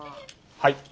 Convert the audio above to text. はい。